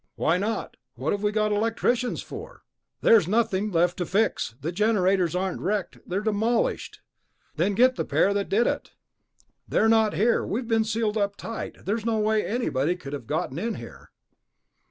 "Why not? What have we got electricians for?" "There's nothing left to fix. The generators aren't wrecked ... they're demolished...." "Then get the pair that did it...." "They're not here. We've been sealed up tight. There's no way anybody could have gotten in here...."